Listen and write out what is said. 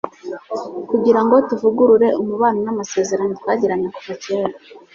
kugira ngo tuvugurure umubano n'amasezerano; twagiranye kuva kera